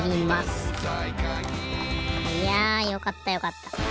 いやよかったよかった。